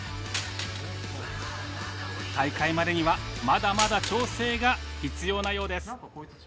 大会までにはまだまだ調整が必要なようです。